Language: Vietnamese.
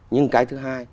nhưng cái thứ hai